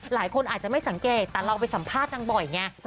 หลายคนอาจจะไม่สังเกตแต่เราไปสัมภาษณ์นางบ่อยไง